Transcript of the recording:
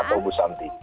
saya atau bu santi